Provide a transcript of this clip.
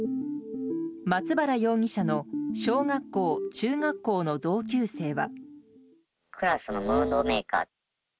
松原容疑者の小学校、中学校の同級生は。